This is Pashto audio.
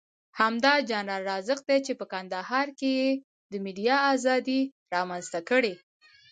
همدا جنرال رازق دی چې په کندهار کې یې د ميډيا ازادي رامنځته کړې.